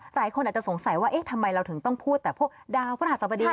หลายคนอาจจะสงสัยว่าเอ๊ะทำไมเราถึงต้องพูดแต่พวกดาวพระราชสบดี